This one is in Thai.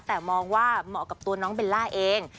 แต่มองว่าเหมาะกับตัวน้องเบลล่าเอง